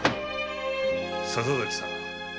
笹崎さん。